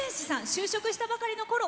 就職したばかりのころ